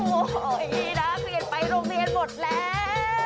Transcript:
โอ้ยนักเรียนไปโรงเรียนหมดแล้ว